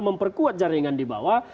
memperkuat jaringan di bawah